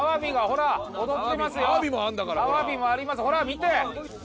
ほら見て！